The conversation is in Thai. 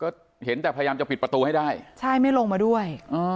ก็เห็นแต่พยายามจะปิดประตูให้ได้ใช่ไม่ลงมาด้วยอ๋อ